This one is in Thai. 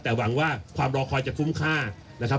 แต่หวังว่าความรอคอยจะคุ้มค่านะครับ